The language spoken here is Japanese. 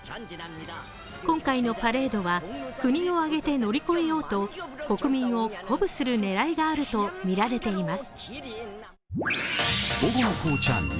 今回のパレードは国を挙げて乗り越えようと、国民を鼓舞する狙いがあるとみられています。